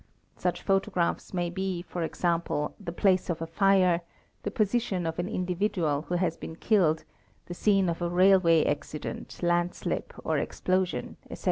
Such photographs may be, e.g., the place of a fire, the position of an individual who has been killed, the scene of a railway accident, landslip, or explosion, etc.